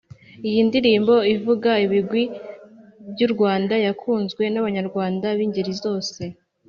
Iyi ndirimbo ivuga ibigwi by'u Rwanda yakunzwe n'abanyarwanda b'ingeri zose